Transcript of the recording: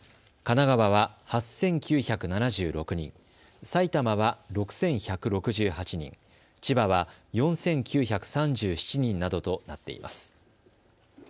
神奈川は８９７６人、埼玉は６１６８人、千葉は４９３７人などとなっています。